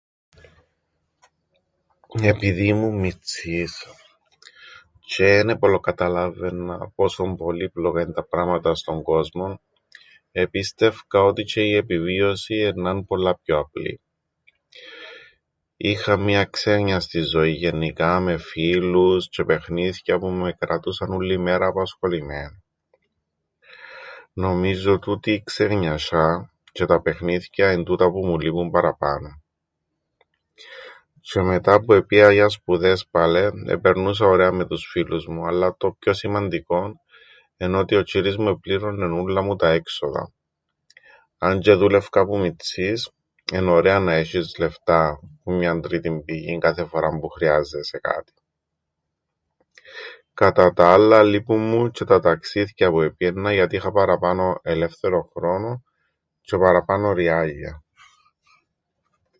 Επειδή ήμουν μιτσής τζ̆αι εν επολλοκαταλάββαιννα πόσον πολύπλοκα εν' τα πράματα στον κόσμον επίστευκα ότι τζ̆αι η επιβίωση εννά 'ν' πολλά πιο απλή. Είχα μιαν ξέννοιαστην ζωήν γεννικά με φίλους τζ̆αι παιχνίθκια που με εκρατούσαν ούλλη μέρα απασχολημένον. Νομίζω τούτη η ξεγνασ̆ιά τζ̆αι τα παιχνίθκια εν' τούτα που μου λείπουν παραπάνω. Τζ̆αι μετά που επήα για σπουδές πάλε επερνούσα ωραία με τους φίλους μου, αλλά το πιο σημαντικόν εν' ότι ο τζ̆ύρης μου επληρώννεν ούλλα μου τα έξοδα. Αν τζ̆αι εδούλευκα που μιτσ̆ής, εν' ωραία να έσ̆εις λεφτά που μιαν τρίτην πηγήν κάθε φοράν που χρειάζεσαι κάτι. Κατά τα άλλα, λείπουν μου τζ̆αι τα ταξίθκια που επήαιννα γιατί είχα παραπάνω χρόνον ελεύθερον τζ̆αι παραπάνω ριάλλια.